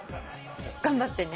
頑張ってね。